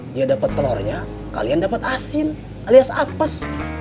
dia dapet telurnya kalian dapet asin alias apes